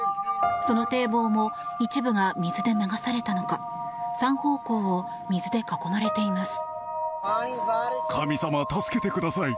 その堤防も一部が水で流されたのか３方向を水で囲まれています。